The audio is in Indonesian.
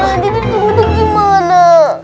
nah jadi seruduk gimana